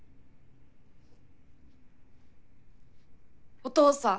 お父さん。